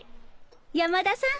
山田さん。